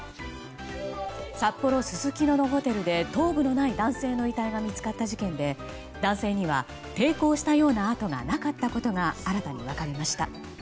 札幌すすきののホテルで頭部のない男性の遺体が見つかった事件で男性には抵抗したような痕がなかったことが新たに分かりました。